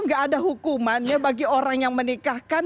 gak ada hukumannya bagi orang yang menikahkan